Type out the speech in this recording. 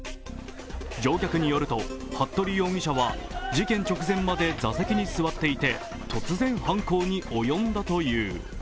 乗客によると服部容疑者は事件直前まで座席に座っていて突然、犯行に及んだという。